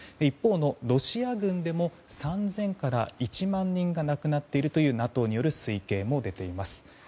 一方のロシア軍でも３０００から１万人が亡くなっているというＮＡＴＯによる推計が出ています。